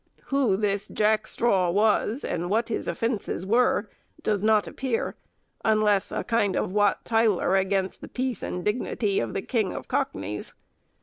Who this Jack Straw was, and what his offences were, does not appear, unless a kind of Wat Tyler against the peace and dignity of the King of Cockneys.